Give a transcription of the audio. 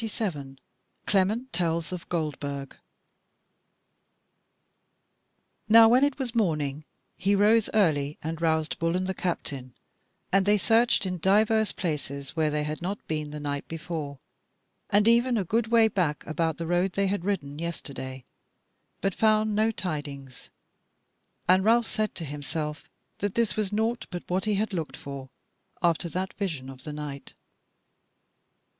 CHAPTER 27 Clement Tells of Goldburg Now when it was morning he rose early and roused Bull and the captain, and they searched in divers places where they had not been the night before, and even a good way back about the road they had ridden yesterday, but found no tidings. And Ralph said to himself that this was naught but what he had looked for after that vision of the night.